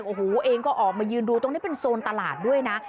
โอ้โหเองก็ออกมายืนดูตรงนี้เป็นโซนตลาดด้วยนะ